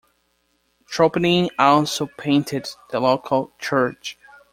Tropinin also painted the local church.